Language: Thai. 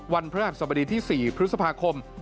วันพระหักศบดีที่๔พฤษภาคม